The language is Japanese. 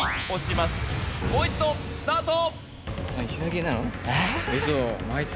もう一度スタート！